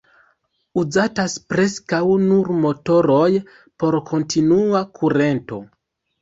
Uzatas preskaŭ nur motoroj por kontinua kurento.